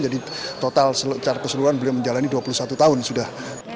jadi total seluruh keseluruhan beliau menjalani dua puluh satu tahun sudah